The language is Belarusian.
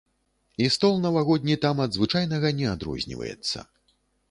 І стол навагодні там ад звычайнага не адрозніваецца.